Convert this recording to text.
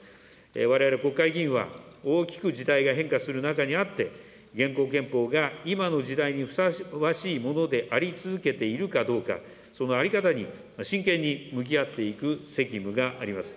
われわれ国会議員は、大きく時代が変化する中にあって、現行憲法が今の時代にふさわしいものであり続けているかどうか、その在り方に真剣に向き合っていく責務があります。